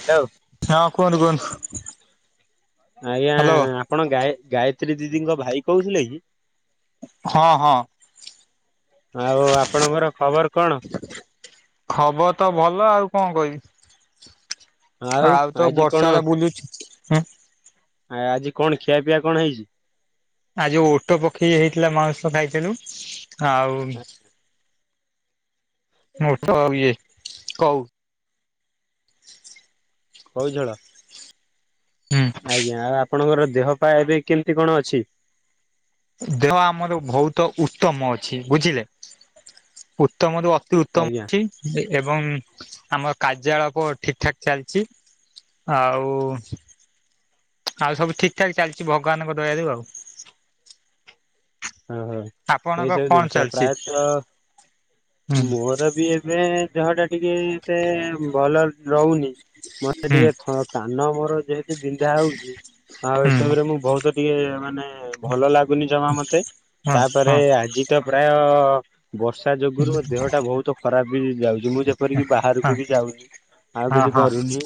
Hello ହଁ କୁହନ୍ତୁ କୁହନ୍ତୁ? ଆଜ୍ଞା ହ୍ୟାଲୋ ଆପଣ ଗାୟ ଗାୟତ୍ରୀ ଦିଦିଙ୍କ ଭାଇ କହୁଥିଲେ କି? ହଁ ହଁ ଆଉ ଆପଣଙ୍କର ଖବର କଣ? ଖବର ତ ଭଲ। ଆଉ କଣ କହିବି? ଆଉ ତ ଆଜି କଣ ବର୍ଷାରେ ବୁଲୁଛି। ହୁଁ ଆ ଆଜି କଣ ଖିଆ ପିଆ କଣ ହେଇଛି? ଆଜି ଓଟ ପକ୍ଷୀ ହେଇଥିଲା ମାଉଁସ ଖାଇଥିଲୁ। ଆଉ ଆଉ ତ ଆଉ ଇଏ କଉ କଉଝୋଳ? ହଁ। ଆଜ୍ଞା ଆଉ ଆପଣଙ୍କର ଦେହ ପା ଏବେ କେମିତି କଣ ଅଛି? ଦେହ ଆମର ବହୁତ ଉତ୍ତମ ଅଛି ବୁଝିଲେ ଉତ୍ତମରୁ ଅତ ଅତି ଉତ୍ତମ ଆଜ୍ଞା ଅଛି ଏ ଏବଂ ଆମର କାର୍ଯ୍ୟାଳପ ଠିକଠାକ ଚାଲିଛି। ଆଉ ଆଉ ସବୁ ଠିକଠାକ ଚାଲିଛି ଭଗବାନଙ୍କ ଦୟାରୁୁ ଆଉ। ଓହୋ! ଆପଣଙ୍କ ଏଇସବୁ କଣ ଜିନିଷ ଚାଲିଛି ହୁଁ ପ୍ରାୟତଃ ମୋର ବି ଏବେ ଏବେ ଦେହଟା ଟିକେ ଏତେ ଭଲ ରହୁନି ମତେ ହୁଁ ଟିକେ ଥ କାନ ମୋର ଯେହେତ ତୁ ବିନ୍ଧା ହଉଛି ଆଉ ହୁଁ ଏସବୁରେ ମୁଁ ବହୁତ ଟିକେ ମାନେ ଭଲ ଲାଗୁନି ଯମା ମତେ। ହଁ ତାପରେ ହଁ ଆଜି ତ ପ୍ରାୟ ବର୍ଷା ଯୋଗୁରୁ ମୋ ଦେହଟା ବହୁତ ଖରାପ ବି ଯାଉଛି ମୁଁ ଯେପରିକି ହଁ ବାହାରକୁ ବି ଯାଉନି। ଆଉ ହଁ କିଛି ହଁ କରୁନି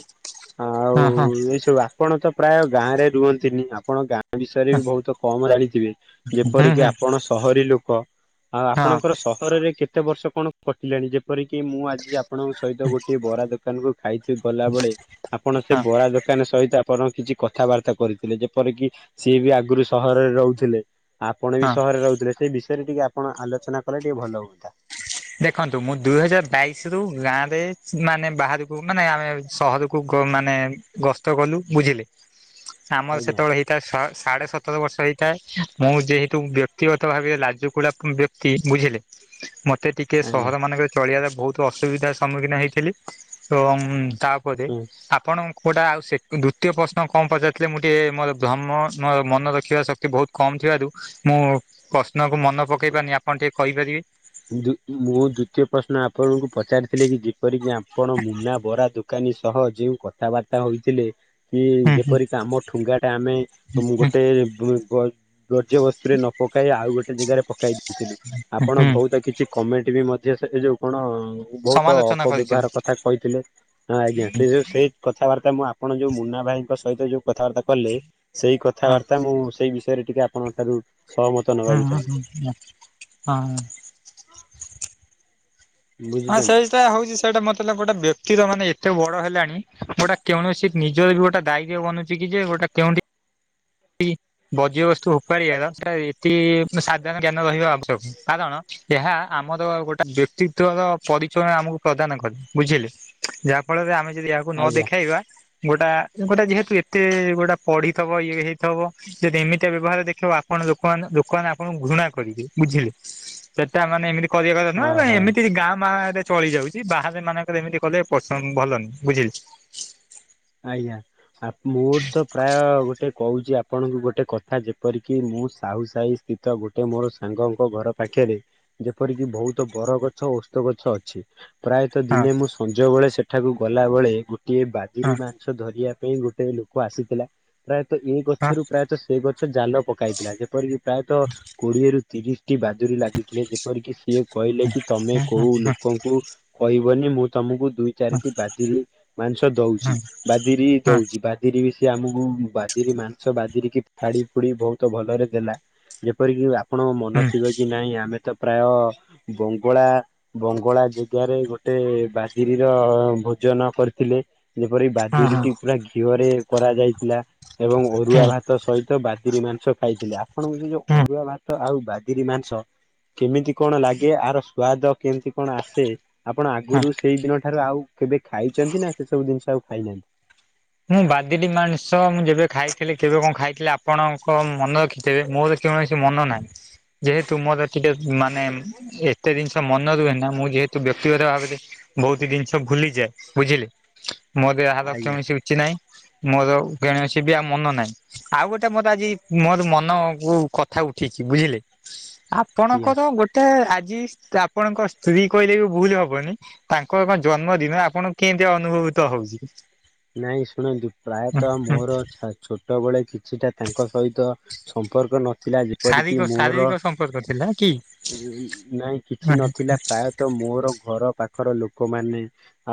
ଆଉ ହଁ ହଁ ଏଇସେବା ଆପଣ ତ ପ୍ରାୟ ଗାଁ ରେ ରୁହନ୍ତିନି ଆପଣ ଗାଁ ବିଷୟରେ ବି ବହୁତ କମ ଜାଣିଥିବେ? ହୁଁ ଯେପରିକି ହୁଁ ଆପଣ ସହରୀ ଲୋକ ଆଉ ହଁ ଆପଣଙ୍କର ସହରରେ କେ କେତେ ବର୍ଷ କଣ କଟିଲାଣି? ଯେପରିକି ମୁଁ ଆଜି ଆପ ଆପଣଙ୍କ ସହିତ ଗୋଟିଏ ବରା ଦୋକାନକୁ ଖାଇଛୁ ଗଲାବେଳେ ଆପଣ ସେ ହଁ ବରା ଦୋକାନୀ ସହିତ ଆପଣଙ୍କ କିଛି କଥାବାର୍ତ୍ତା କରିଥିଲେ। ଯେପରକିି ସିଏ ବି ଆଗରୁ ସହରରେ ରହୁଥିଲେ। ଆପଣ ବି ହଁ ସହରରେ ରହୁଥିଲେ। ସେଇ ବିଷୟରେ ଟିକେ ଆପଣ ଆଲୋଚନା କଲେ ଟିକେ ଭଲ ହୁଅନ୍ତା। ଦେଖନ୍ତୁ ମୁଁ ଦୁଇ ହଜାର ବାଇଶ ରୁ ଗାଁ ରେ ମାନେ ବାହାରକୁ ମାନେ ଆମେ ସହରକୁ ଗ ମାନେ ଗସ୍ତ କଲୁ ବୁଝିଲେ। ଆମର ଆଜ୍ଞା ସେତେବେଳେ ହେଇ ତା ସ ସାଢ଼େ ସତର ବର୍ଷ ହେଇଥାଏ, ମୁଁ ଯେହେତୁ ବ୍ୟକ୍ତିଗତ ଭାବରେ ଲାଜକୁଳା କ ବ୍ୟକ୍ତି ବୁଝିଲେ ମତ ମତେ ଟିକେ ଆଜ୍ଞା ସହରମାନଙ୍କରେ ଚଳିବାର ବହୁତ ଅସୁବିଧା ସମ୍ମୁଖୀନ ହେଇଥିଲି। ତ ଉଁ ତା ତାପରେ ହୁଁ। ଆପଣ କୋଉଟା ଆଉ ସେକ ଦ୍ୱିତୀୟ ପ୍ରଶ୍ନ କଣ ପଚାରିଥିଲେ? ମୁଁ ଟିକି ମୋର ଭ୍ରମ ମୋର ମନ ରଖିବାର ଶକ୍ତି ବହୁତ କମ୍ ଥିବାରୁ ମୁଁ ପ୍ରଶ୍ନକୁ ମନ ପକାଇ ପାରୁନି ଆପଣ ଟିକେ କହିପାରିବେ? ଦ୍ୱି ମୁଁ ଦ୍ଵିତୀୟ ପ୍ରଶ୍ନ ଆପଣଙ୍କୁ ପଚାରିିଥିଲି କି ପରିକି ଆପଣ ମୁନା ବରା ଦୋକ ଦୋକାନୀ ସହ ଯେଉଁ କଥାବାର୍ତ୍ତା ହୋଇଥିଲେ କି ହୁଁ ହୁଁ ଯେପରିକି ଆମ ଠୁଙ୍ଗାଟା ଆମେ ମୁଁ ହୁଁ ଗୋଟେ ବୃ ବ ବର୍ଜ୍ୟବସ୍ତୁରେ ନ ପକାଇ ଆଉ ଗୋଟେ ଜେଗାରେ ପକାଇ ଦେଇଥିଲି। ହୁଁ ଆପଣ ହୁଁ ବହୁତ କିଛି କମେଣ୍ଟ ବି ମଧ୍ୟ ସେ ଏ ଯୋଉ କଣ ବହୁତ ସମାଲୋଚନା କରିଥିଲି ଅପବ୍ୟବହାର କଥା କହିଥିଲେ। ହଁ ଆଜ୍ଞା ସେ ଯୋଉ ସେଇ କଥାବାର୍ତ୍ତା ମୁଁ ଆପଣ ଯୋଉ ମୁନା ଭାଇଙ୍କ ସହିତ ଯୋଉ କଥାବାର୍ତ୍ତା କଲି ସେଇ ହଁ। କଥାବାର୍ତ୍ତା ମୁଁ ସେଇ ବିଷୟରେ ଟିକେ ଆପଣଙ୍କ ଠାରୁ ସହମ ହୁଁ ହୁଁ ହଁଁ ହଁ। ହଁ ବୁଝୁଛନ୍ତି ସେଇ ଟା ହଉଛି ସେଇଟା ମତେ ଲା ଗୋଟେ ବ୍ୟକ୍ତିରମାନେ ଏତେବଡ ହେଲାଣି ଗୋଟେ କୌଣସି ନିଜର ବି ଗୋଟେ ଦାୟିତ୍ୱ ବନୁ ଠିକି ଯେ ଘରଟା କେଉଁଠି କି ବଜ୍ୟବସ୍ତୁ ଉପାଡିବାର ସେଟା ଏତିିକି ମାନେ ସାଧାରଣ ଜ୍ଞାନ ରହିବା ଆବଶ୍ୟକ କାରଣ ଏହା ଆମର ଆଉ ଗୋଟେ ବ୍ୟକ୍ତି ଗତର ପରିକଳନା ଆମକୁ ପ୍ରଦାନ କରେ ବୁଝିଲେ ଯାହାଫଳରେ ଆମେ ଯଦି ଏହା ନ ଆଜ୍ଞା। ଦେଖାଇବା ଗୋଟା ଗୋଟା ଯେହେତୁ ଏତେ ଗୋଟେ ପଢିଥବ ଇଏ ହେଇଥବ ଯଦି ଏମିତିଆ ବ୍ୟବହାର ଦେଖେଇବ ଆପଣ ଲୋକାମାନେ ଲୋକମାନେ ଆପଣଙ୍କୁ ଘୃଣା କରିବେ ବୁଝିଲେ। ସେଟା ମାନେ ଏମିତି କରିବା କଥା ନୁହଁ ତ ଓହୋ ଏମିତି ଏ ଗାଁ ମାଁରେ ଚଳିଯାଉଚି ବାହାରେ ଏମାନଙ୍କର ଏମିତି କଲେ ପସନ୍ଦ ଭଲ ନୁହେଁ ବୁଝିଲେ। ଆଜ୍ଞା ଆ ମୋର ତ ପ୍ରାୟ ଗୋଟେ କୋହୁଚି ଆପଣଙ୍କୁ ଗୋଟେ କଥା ଯେପରିକି ମୁଁ ସାହୁ ସାହି ସ୍ତି ତ ଗୋଟେ ମୋର ସାଙ୍ଗଙ୍କ ଘର ପାଖେରେ ଯେପରିକି ବୋହୁତ ବରଗଛ ଓସ୍ତଗଛ ଅଛି। ପ୍ରାୟତ ହଁ ଦିନେ ମୁଁ ସଞ୍ଜବେଳେ ସେଠାକୁ ଗଲାବେଳେ ଗୋଟିଏ ହଁ ବାଦିରି ମା ସ ଧରିବା ପାଇଁ ଗୋଟେ ଲୋକ ଆସିଥିଲା। ପ୍ରାୟତଃ ଏଇ ହଁ ଗଛରୁ ପ୍ରାୟତଃ ସେଇ ଗଛ ଜାଲ ପକାଇଥିଲା ଯେପରିକି ପ୍ରାୟତଃ କୋଡିଏରୁ ତିରିଶଟି ବାଦୁରୀ ଲାଗିଥିଲେ ଯେପରିକି ସିଏ କହିଲେ କି ତମେ ହଁ ହଁ କୋଉ ଲୋକଙ୍କୁ କହିବନି ମୁଁ ତମକୁ ଦୁଇ ଚାରିଟି ବାଦିରୀ ମାଂସ ହଁ ହଁ ଦୋଉଚି ହୁଁ ବାଦିରୀ ହଁ ଦୋଉଚି। ବାଦିରୀ ବି ସେ ଆମୁକୁ ବାଦିରୀ ମାଂସ ବାଦିରୀକି ଫାଡି ଫୁଡି ବୋହୁତ ଭଲରେ ଦେଲା। ଯେପରିକି ଆପଣଙ୍କ ମନ ଥିବ କି ନାଇଁ ଆମେ ତ ପ୍ରାୟ ବଙ୍ଗଳା ବଙ୍ଗଳା ଯେଗାରେ ଗୋଟେ ବାଦିରୀର ଭୋଜନ କରିଥିଲେ। ଯେପରି ହଁ ବାଦିରୀଟି ପୁରା ଘିଅରେ କରାଯାଇଥିଲା। ଏବଂ ହୁଁ ଅରୁଆ ହୁଁ ଭାତ ସହିତ ବାଦିରୀ ମାଂସ ଖାଇଥିଲେ ଆପଣଙ୍କୁ ସେ ଯୋଉ ଅରୁଆ ଭାତ ଆଉ ବାଦିରୀ ମାଂସ କେମିତି କଣ ଲାଗେ ଆର ସ୍ଵାଦ କେମତି କଣ ଆସେ ଆପଣ ହଁ ଆଗୁରୁ ସେଇ ଦିନଠାରୁ ଆଉ କେବେ ଖାଇଚନ୍ତି ନା ସେସବୁ ଜିନଷ ଆଉ ଖାଇନାହାନ୍ତି। ମୁଁ ବାଦିରୀ ମାଂସ ମୁଁ ଯେବେ ଖାଇଥିଲି କେବେ କଣ ଖାଇଥିଲି ଆପଣଙ୍କ ମନେ ରଖିଥିବେ ମୋର କୌଣସି ମନ ନାହିଁ ଯେହେତୁ ମୋର ଟିକେ ମାନେ ଏ ଏତେ ଜିନଷ ମନ ରୁହେନା ମୁଁ ଯେହେତୁ ବ୍ୟକ୍ତିଗତ ଭାବରେ ବୋହୁତ ଦିନଷ ଭୁଲିଯାଏ ବୁଝିଲେ। ମୋର ଏହାର ଆଜ୍ଞା କୌଣସି ରୁଚି ନାହିଁ ମୋର କୌଣସି ବି ଆଉ ମନ ନାହିଁ। ଆଉ ଗୋଟେ ମୋର ଆଜି ମୋର ମନକୁ କଥା ଉଠିଚି ବୁଝିଲେ। ଆଜ୍ଞା ଆପଣଙ୍କର ଗୋଟେ ଆଜି ଆପଣଙ୍କ ସ୍ତ୍ରୀ କହିଲେ ବି ଭୁଲ ହବନି ତାଙ୍କର କଁ ଜନ୍ମଦିନ ଆପଣଙ୍କୁ କେମିତି ଅନୁଭୂତ ହୋଉଚି? ନାଇଁ ଶୁଣନ୍ତୁ ପ୍ରାୟତଃ ମୋର ଛା ଛୋଟବେଳେ କିଛିଟା ତାଙ୍କ ସହିତ ସମ୍ପର୍କ ନ ଥିଲା ଶାରୀରିକ ଯେପରିକି ଶାରୀରିକ ମୋର ସମ୍ପର୍କ ଥିଲା କି? ନାଇଁ ହଁ କିଛି ନଥିଲା ପ୍ରାୟତଃ ମୋର ଘର ପା ଖର ଲୋକମାନେ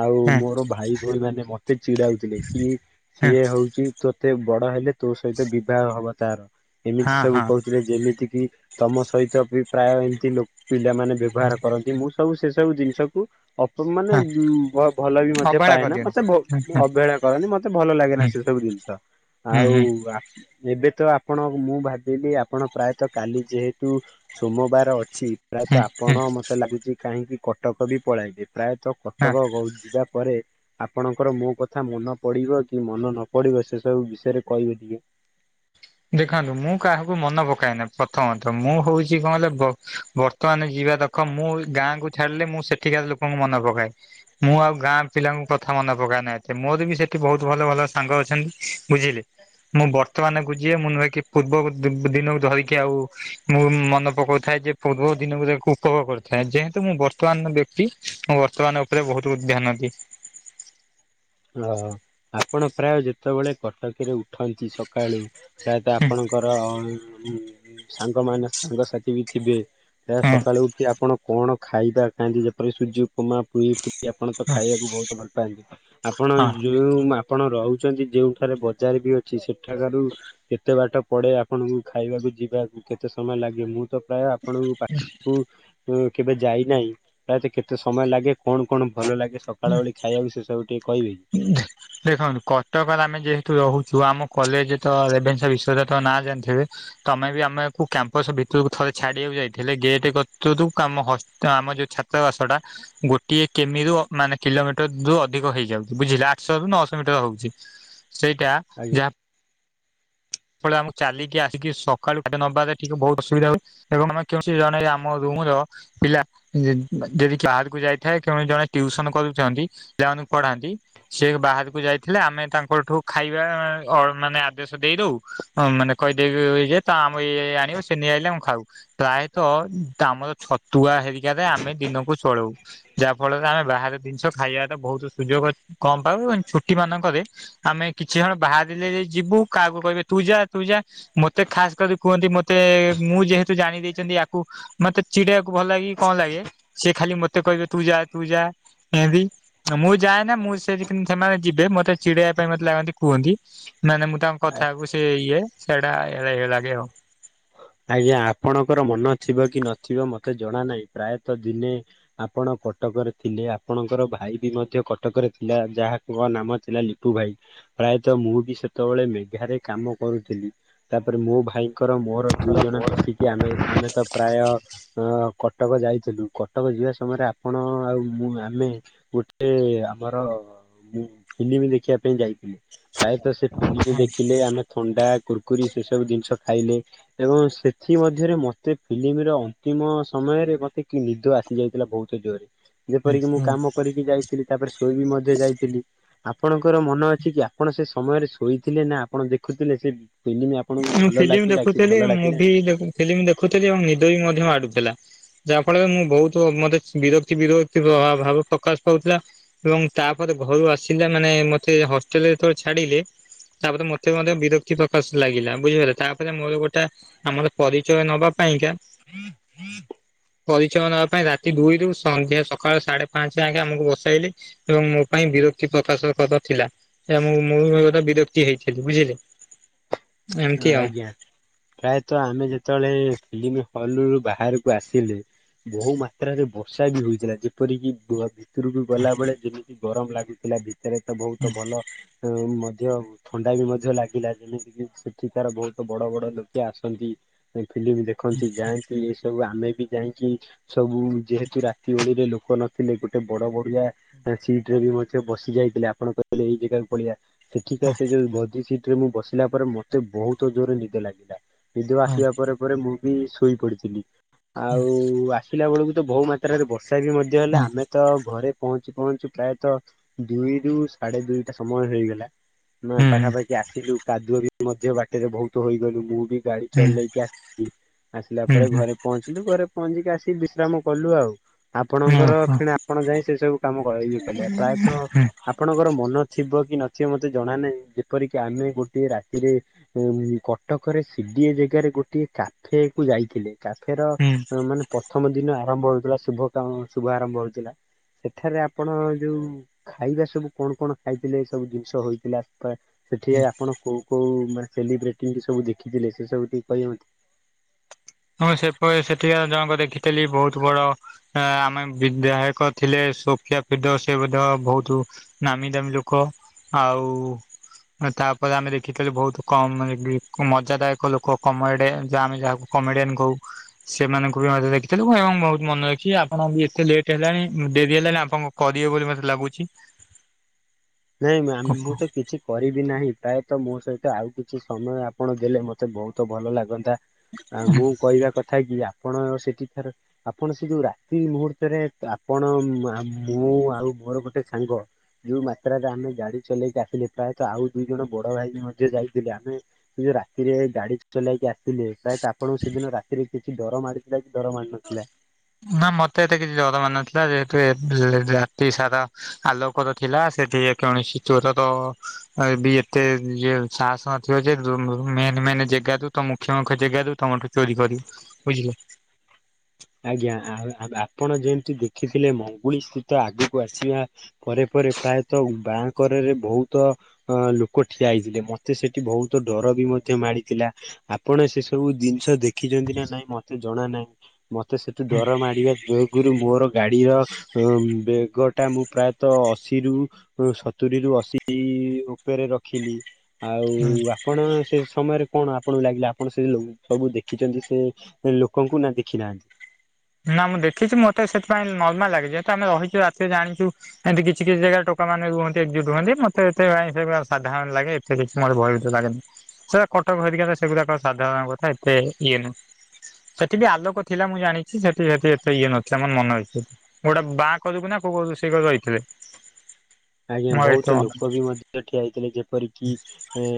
ଆଉ ହଁ ମୋର ଭାଇ ଭୋଉଣୀ ମାନେ ମତେ ଚିଡାଉଥିଲେ କି ସିଏ ହୋଉଚି ତୋତେ ବଡ ହେଲେ ତୋ ସହିତ ବିବାହ ହବ ତାର। ଏମିତି ସବୁ ହଁ କହୁଥିଲେ ଯେମିତି କିି ତମ ସହିତ ବି ପ୍ରାୟ ଏମତି ଲୋ ପିଲାମାନେ ବ୍ୟ ବ୍ୟବହାର କରନ୍ତି ମୁଁ ସବୁ ସେ ସବୁ ଜିନିଷକୁ ଅପଣମାନେ ହଁ ଉଁ ଭ ଭଲ ବି ମଧ୍ୟ ଅବହେଳା ପାଏନା ମତେ ଭ ମୁଁ କରିଦିଅନ୍ତି। ଅବହେଳା କରେନି ମତେ ଭଲ ଲାଗେନା ସେ ସବୁ ଜିନିଷ ହୁଁ ଆଉ ହୁଁ ଆ ଏବେ ତ ଆପଣ ମୁଁ ଭାବିଲି ଆପଣ ପ୍ରାୟତଃ କାଲି ଯେହେତୁ ସୋମବାର ଅଛି ହୁଁ ପ୍ରାୟତଃ ହୁଁ ଆପଣ ମତେ ଲାଗୁଚି କାହିଁକି କଟକ ବି ପଳାଇବେ ପ୍ରାୟତଃ ହଁ କଟକ କୋହୁ ଯିବା ପରେ ଆପଣଙ୍କର ମୋ କଥା ମନ ପଡିବ କି ମନ ନ ପଡିବ ସେ ସବୁ ବିଷୟରେ କହିବେ ଟିକେ। ଦେଖନ୍ତୁ ମୁଁ କାହାକୁ ମନେ ପକାଏନା ପ୍ରଥମତଃ ମୁଁ ହୋଉଚି କଣ କହିଲେ ବ ବର ମାନେ ଯିବା ଦଖ ମୁଁ ଗାଁ କୁ ଛାଡିଲେ ମୁଁ ସେଠିକାର ଲୋକଙ୍କୁ ମନେ ପକାଏ ମୁଁ ଆଉ ଗାଁ ପିଲାଙ୍କୁ କଥା ମନେ ପକ ନାହିଁ ଏତେ ମୋର ବି ସେଠି ବହୁତ ଭଲ ଭଲ ସାଙ୍ଗ ଅଛନ୍ତି ବୁଝିଲେ ମୁଁ ବର୍ତ୍ତମାନ ଯିଏ ମୁଁ ନୁହେଁ କି ପୂର୍ବ ଦିନକୁ ଧରିକି ଆଉ ମୁଁ ମନେ ପକାଉଥାଏ ଯେ ପୂର୍ବ ଦିନକୁ ଯକୁ ଉପଭୋଗ କରିଥାଏ ଯେହେତୁ ମୁଁ ବର୍ତ୍ତମାନ ମୁଁ ବର୍ତ୍ତମାନ ଉପରେ ବହୁତ ଧ୍ୟାନ ଦିଏ। ଓ ଆପଣ ପ୍ରାୟ ଯେତେବେଳେ କଟକରେ ଉଠନ୍ତି ସକାଳୁ ପ୍ରାୟତଃ ହୁଁ ଆପଣ ର ସାଙ୍ଗ ମ ସାଙ୍ଗସାଥି ବି ଥିବେ ଯ ହୁଁ ସକାଳୁ ଉଠି ଆପଣ କଣ ଖାଇବା ଖାଆନ୍ତି ଯେପରି ସୁଜି ଉପମା ପୁଇ ଫୁ ଆପଣ ତ ହଁ ଖାଇବାକୁ ବହୁତ ଭଲ ପାଆନ୍ତି ଆପଣ ହଁ ଯେଉଁ ଆପଣ ରହୁଛନ୍ତି ଯଉଠାରେ ବଜାର ବି ଅଛି ସେ ଏଠାକାରାରୁ କେତେ ବାଟ ପଡେ ଆପଣଙ୍କୁ ଖାଇବାକୁ ଯିବାକୁ କେତେ ସମୟ ଲାଗେ ମୁଁ ତ ପ୍ରାୟ ଆପଣଙ୍କୁ ପା କେବେ ଯାଇନାହିଁ ପ୍ରାୟତ କେତେ ସମୟ ଲାଗେ କଣ କଣ ଭଲ ଲାଗେ ସକାଳ ଭଳି ଖାଇବାକୁ ସେ ସବୁ ଟିକେ କହିବେ [unintelligible] ଦେଖନ୍ତୁ କଟକରେ ଆମେ ଯେହେତୁ ରହୁଛୁ ଆମ କଲେଜ ତ ରେଭନ୍ସ ବିଶ୍ୱଵ ନାଁ ଜାଣିଥିବେ ତମେ ବି ଆମକୁ କ୍ୟାମ୍ପସ ଭିତରକୁ ଥରେ ଛାଡିବାକୁ ଯାଇଥିଲେ ଗେଟ କ ଆମ ତ ଆମ ଯୋଉ ଛାତ୍ର ବାସ ଟା ଗୋଟିଏ କେମିରୁ ମାନେ କିଲୋମିଟର ରୁ ଅଧିକ ହେଇଯାଉଛି ବୁଝିଲା ଆଠଶହରୁୁ ନଅଶହ ମିଟର ହଉଛି ସେଇଟା ଆଜ୍ଞା। ସେଳ ଆମକୁ ଚାଲିକି ଆସିକି ସକାଳୁଠେ ନେବା ିକେ ବହୁତ ଅୁବିଧା ହୁଏ ଏବଂ ଆମେ କେଉଠ ଜଣ ଆମ ରୁମ ର ପିଲା ଯଦି କାହାରକୁ ଯାଇଥାଏଣ ଜଣେ ଟ୍ୟଉସନ କରୁଛନ୍ତି ପିଲା ମାନଙ୍କୁ ପଢାନ୍ତି ସେ ବାହାରକୁ ଯାଇଥିଲେ ଆମେ ତାଙ୍କଠୁ ଖାଇବା ମାନେ ଆଦେଶ ଦେଇଦଉ ହଁ ମାନେ କହିଦେଇବି ଯେ ତା ଆମ ଇଏ ଆଣିବ ସେ ନେଇ ଆଣିଲେ ଆମେ ଖାଉ। ପ୍ରାୟତଃ ଆମର ଛତୁଆ ହେରିକାରେ ଆମେ ଦିନକୁ ଚଳଉ ଯାହା ଫଳରେ ଆମେ ବାହାର ଜିନିଷ ଖାଇବାଟ ବହୁତ ସୁଯୋଗ କମ ପାଉ ଏବଂ ଛୁଟି ମାନଙ୍କରେ ଆମେ କିଛି କଣ ବାହାରିଲେ ଯ ଯିବୁ କାହାକୁ କହିବେ ତୁଜା ତୁଜା ମତେ ଖାସ୍ କରି କୁହନ୍ତି ମତେ ମୁଁ ଯେହେତୁ ଜାଣି ଦେଇେଇଛନ୍ତି ୟାକୁ ମତେ ଚିଡଆକୁ ଭଲ ଲାଗେ କଣ ଲାଗେ ସିଏ ଖାଲି ମତେ କହିବେ ତୁ ଯା ତୁ ଯା ଏମତି ମୁଁ ଯାଏ ନା ମୁଁ ସେଠି ସେମାନେ ଯିବେ ମତେ ଚିଡେଇବା ପାଇଁ ମତେ ଲାଗନ୍ତି କୁହନ୍ତି ମାନେ ମୁଁ ତାଙ୍କ କଥାକୁ ସେ ଇଏ ସେଇଟା ଲାଗେ ଆଉ ଆଜ୍ଞା ଆପଣଙ୍କର ମନ ଥିବ କି ନଥିବ ମତେ ଜଣା ନାହିଁ ପ୍ରାୟତଃ ଦିନେ ଆପଣ କଟକରେ ଥିଲେ ଆପଣଙ୍କର ଭାଇ ବି ମଧ୍ୟ କଟକରେ ଥିଲା ଯାହା [inaudible] ନାମ ଥିଲା ଲିଟୁ ଭାଇ ପ୍ରାୟତଃ ମୁଁ ବି ସେତେବେଳେ ମେଘାରେ କାମ କରୁଥିଲି ତାପରେ ମୋ ଭାଇଙ୍କର ମୋର ଦୁଇ ଜଣ ମିଶିକି ଆମେ ଆମେ ତ ପ୍ରାୟ ଅ କଟକ ଯାଇଥିଲୁ କଟକ ଯିବା ସମୟରେ ଆପଣ ଆଉ ମୁଁ ଆମେ ଗୋଟେ ଆମର ମୁଁ ଫିଲ୍ମ ଦେଖିବା ପାଇଁ ଯାଇଥିଲେ ପ୍ରାୟତଃ ସେ ଫିଲ୍ମ ଦେଖିଲେ ଆମେ ଥଣ୍ଡା କୁୁରକୁରି ସେ ସବୁ ଜିନିଷ ଖାଇଲେ ଏବଂ ସେଥି ମଧ୍ୟରେ ମୋତେ ଫିଲ୍ମର ଅନ୍ତିମ ସମୟରେ ମୋତେ କି ନିଦ ଆସ ଯାଇଥିଲା ବହୁତ ଜୋରରେ ଯେପରିକ ମୁଁ କାମ କରିକି ଯାଇଥିଲି ତାପରେ ଶୋଇବି ମଧ୍ୟ ଯାଇଥିଲି ଆପଣଙ୍କର ମନ ଅଛି କି ଆପଣ ସେ ସମୟରେ ଶୋଇଥିଲେ ନା ଆପଣ ଦେଖୁଥିଲେ ସେ ଫିଲ୍ମ? ଆପଣଙ୍କୁ ଭଲ ଲାଗିଲା କି ଆକ୍‌ଚାଲି ଭଲ ମୁଭି ଲାଗିଲାନି ଫିଲ୍ମ ଦେଖୁିଥିଲେ ଆଉ ନିଦ ବି ମାଡୁଥିଲା ଯାହା ଫଳରେ ମୁଁ ବହୁତ ମତେ ବିରକ୍ତି ବିରକ୍ତି ଭାବ ପ୍ରକାଶ ପାଉଥିଲା। ଏବଂ ତାପରେ ଘରୁ ଆସିଲେ ମାନେ ମତେ ହଷ୍ଟେଲ ଯେତେଳେ ଛାଡିଲେ ତାପରେ ମୋତେ ମଧ୍ୟ ବିରକ୍ତି ପ୍ରକାଶ ଲାଗିଲା ବୁଝିପାରିଲ ତାପରେ ମୋର ଗୋଟେ ଆମର ପରିଚୟ ନବା ପାଇଁକା ପରିଚୟ ନବା ପାଇଁ ରାତି ଦୁଇ ରୁ ସନ୍ଧ୍ୟା ସକାଳୁ ସାଢେ ପାଞ୍ଚ ଯାଏ ଆମକୁ ବସାଇଲେ। ଏବଂ ମୋ ପାଇଁ ବିରକ୍ତି ପ୍ରକାଶ କଥା ଥିଲା ଏବଂ ମୁଁ ବି ଗୋଟେ ବିରକ୍ତି ହେଇଥିଲି ବୁଝିଲେ। ଏମିତି ଆଉ। ଆଜ୍ଞା ପ୍ରାୟତଃ ଆମେ ଯେତେବେଳେ ଫିଲ୍ମ ହଲ ରୁ ବାହାରକୁ ଆସିଲେ ବହୁ ମାତ୍ରରେ ବର୍ଷା ବି ହୋଇଥିଲା ଯେପରିକି ଭିତରକୁ ଗଲା ବେଳେ ଯେମିତି ଗରମ ଲାଗୁଥିଲା ଭିତରେ ତ ବହୁତ ଭଲ ମଧ୍ୟ ଥଣ୍ଡା ବି ମଧ୍ୟ ଲାଗିଲା ଯେମିତିକି ଏଠି ତାର ବହୁତ ବଡ ବଡ ଲୋକେ ଆସନ୍ତି ଫିଲ୍ମ ଦେଖନ୍ତି ଯାଆନ୍ତି ଏ ସବୁ ଆମେ ବି ଯାଇ କି ସବୁ ଯେହେତୁ ରାତି ଓଳିରେ ଲୋକ ନ ଥିଲେ ଗୋଟେ ବଡ ବଢଡିିଆ ସିଟ ରେ ବି ମଧ୍ୟ ବସି ଯାଇଥିଲେ ଆପଣ କହିଲେ ଏଇ ଜାଗାକୁ ପଳିଆ ସେଠିକା ହୁଁ ସେ ଯୋଉ ମଝି ସିଟରେ ମୁଁ ବସିଲା ପରେ ମତେ ବହୁତ ଜୋରରେ ନିଦ ଲାଗିଲା ନିଦ ଆସିବା ପରେ ପରେ ମୁଁ ବି ଶୋଇ ପଡ଼ିଥିଲି ଆଉ ପିଲା ବେଳକୁ ତ ବହୁ ମାତ୍ରାରେ ବର୍ଷା ବି ମଧ୍ୟ ହେଲେ ହୁଁ ଆମେ ତ ଘରେ ପହଞ୍ଚି ପହଞ୍ଚି ପ୍ରାୟତଃ ଦୁଇରୁୁ ସାଢେ ଦୁଇଟା ସମୟ ହେଇଗଲା ନା ହୁଁ ପାଖାପାଖି ଆସିଲୁ କାଦୁଅ ବି ମଧ୍ୟ ବାଟରେ ବହୁତ ହୋଇଗଲୁ ମୁଁ ବି ଗାଡି ହୁଁ ଚଲେଇକି ଆସି ଆସିଲା ହୁଁ ପରେ ହୁଁ ଘରେ ପହଞ୍ଚିଲୁ ଘରେ ପହଞ୍ଚିକି ଆସିକି ବିଶ୍ରାମ କଲୁ ଆଉ। ଆପଣଙ୍କର ହୁଁ ଫିଣି ଆପଣ ଯାଇ ସେ ସବୁ କାମ ଇଏ କଲେ ପ୍ରାୟତଃ ହୁଁ ଆପଣଙ୍କର ମନ ଥିବ କି ନଥିବ ମତେ ଜଣା ନାହିଁ ଯେପରିକି ଆମେ ଗୋଟଏ ରା ଥିରେ କଟକରେ ସିଡିଏ ଜାଗାରେ ଗୋଟିଏ କାଫେ କୁ ଯାଇଥିଲେ କାଫେର ହୁଁ ମାନେ ପ୍ରଥମ ଦିନ ଆରମ୍ଭ ହଉଥିଲା ଶୁଭ କାମ ଶୁଭ ଆରମ୍ଭ ହଉଥିଲା ସେଠାରେ ଆପଣ ଯୋଉ ଖାଇବା ସବୁ କଣ କଣ ଖାଇଥିଲେ ଏ ସବୁ ଜିନିଷ ହେଇଥିଲା? ହୁଁ ସେଠି ଆପଣ କୋଉ କୋଉ ମାନେ ସେଲିବ୍ରେଟି ସବୁ ଦେଖିଥିଲେ ସେ ସବୁ ଟିକେ କହିବକି? ମୁଁ ସେପ ସେଠିକ ଜଣକୁ ଦେଖିଥିଲି ବହୁତ ବଡ ଆମେ ବିଧାୟକ ଥିଲେ ସୋିଫିଆ ଫିଦ ସେ ମଧ୍ୟ ବହୁତ ନାମୀ ଦାମୀ ଲୋକ ଆଉ ତାପରେ ଆମେ ଦେଖିଥିଲୁ ବହୁତ କମ ମଜା ଦାୟକ ଲୋକ କମ ଏଟେ ଯ ଆମେ ଯାହାକୁ କମେଡ଼ିଆନ୍ କହୁ। ସେମାନଙ୍କୁ ବି ମତେ ଦେଖିଥିଲୁ ଏବଂ ବହୁତ ମନେ ରଖଛି ଆପଣ ବି ଏତେ ଲେଟ୍ ହେଲାଣି ଡେରି ହେଲାଣି ଆପଣଙ୍କ କରିବେ ବୋଲି ମତେ ଲାଗୁଛି। ନାଇଁ ମାମ୍ ମୁଁ ତ କିଛି କରିବି ନାହିଁ ପ୍ରାୟତଃ ମୋ ସହିତ ଆଉ କିଛି ସମୟ ଆପଣ ଦେଲେ ମତେ ବହୁତ ଭଲ ଲାଗନ୍ତା। ଆ ମୁଁ କହିବା କଥା କି ଆପଣ ସେଠିକାର ଆପଣ ସେ ଯୋଉ ରାତି ମୁହୂର୍ତ୍ତରେ ଆପଣ ମୁଁ ଆଉ ମୋର ଗୋଟେ ସାଙ୍ଗ ଯୋଉ ମାତ୍ରାରେ ଆମେ ଗାଡି ଚଲେଇକି ଆସିଲେ ପ୍ରାୟତଃ ଆଉ ଦିଇ ଜଣ ବଡ ଭାଇ ମଧ୍ୟ ଯାଇଥିଲେ ଆମେ ଯୋଉ ରାତିରେଇ ଗାଡି ଚ ଚଲାଇକି ଆସଥିଲେ ପ୍ରାୟତ ଆପଣଙ୍କୁ ସେଦିନ ରାତିରେ କିଛି ଡର ମାଡିଥିଲା କି ଡର ମାାର ନଥିଲା? ନା ମତେ ଏତେ କିଛି ଜର ମାନ ନଥିଲା ଯେହେତୁ ଏତେ ରାତି ସାରା ଆଲୋକର ଥିଲା ସେଠି କୌଣସି ଚୋର ର ଏ ଏତେ ଯେସାହସ ନଥିବ ଯେ ମେନ୍ ମେନ୍ ଜାଗା ରୁ ତ ମୁଖ ମୁଖ୍ୟ ଜାଗା ରୁ ତମଠୁ ଚୋରି କରି ବୁଝିଲେ ଆଜ୍ଞା ଆପଣ ଯେମିତି ଦେଖିଥିଲେ ମଙ୍ଗୁଳି ସ୍ଥିତ ଆଗକୁ ଆସିବା ପରେ ପରେ ପ୍ରାୟତଃ ବାଁ କରରେ ବହୁତ ଅ ଲୋକ ଠିଆ ହେଇଥିଲେ ମତେ ସେଠି ବହୁତ ଡର ବି ମଧ୍ୟ ମାଡ଼ିଥିଲା ଆପଣ ସେ ସବୁ ଜିନିଷ ଦେଖିଛନ୍ତି ନା ନାଇଁ ମତେ ଜଣା ନାହିଁ ମତେ ସେଠୁ ଡର ମାଡିବା ଯେକରୁ ମୋର ଗାଡିର ବେଗ ଟା ମୁଁ ପ୍ରାୟତଃ ଅଶୀରୁ ସତୁରିରୁୁ ଅଶି ଉପରେ ରଖିଲି ଆଉ ଆପଣ ସେ ସମୟରେ କଣ ଆପଣଙ୍କୁ ଲାଗିଲା ଆପଣ ସେ ସବୁ ଦେଖିଛନ୍ତି ସେ ଲୋକଙ୍କୁ ନା ଦେଖି ନାହାନ୍ତି ନା ମୁଁ ଦେଖିଛି ମତେ ସେଥିପାଇଁ ନର୍ମାଲ ଲାଗେ ଯେହେତୁ ଆମେ ରହିଛୁ ରାତିରେ ଜାଣିଛୁ ଏମିତି କିଛି କିଛି ଜାଗାରେ ଟୋକା ମାନେ ରୁହନ୍ତି ଏକଝୁଟ ହୁଅନ୍ତି ମତେ ଏଥିପାଇ ସାଧାରଣ ଲାଗେ ସେ କିଛି ମୋତେ ଭୟଭୀତ ଲାଗେନି ସେଟା କଟକ ହେଇ ସେଗୁଡ଼ାକ ସାଧାରଣଙ୍କ କଥା ଏତେ ଇଏ ନାହିଁ ସେଠି ବି ଆଲୋକ ଥିଲା ମୁଁ ଜାଣିଛି ସେଠି ସେ ସେ ଏତେ ଇଏ ନଥିଲା ମୋର ମନେ ଅଛି ଗୋଟେ ବାଁ କରୁକୁ ନା ସେ କରୁକୁ ସେ ରହିଥିଲେ ଆଜ୍ଞା ବହୁତ ଲୋକ ବି ମଧ୍ୟ ଠିଆ ହେଇଥିଲେ ଯେପରିକି ଏ